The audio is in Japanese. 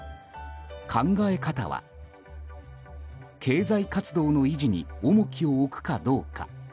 考え方は、経済活動の維持に重きを置くかどうか。